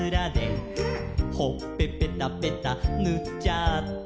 「ほっぺぺたぺたぬっちゃった」